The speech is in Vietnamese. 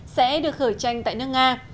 sẽ được khởi tranh tại nước nga